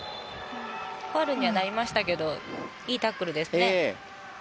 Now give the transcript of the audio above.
ファウルにはなりましたけどいいタックルですね。